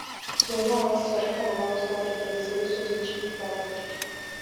Сууну аргасыз арыктан алабыз го, — деп Раиса өз сөзүн жыйынтыктады.